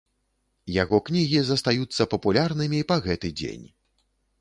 Яго кнігі застаюцца папулярнымі па гэты дзень.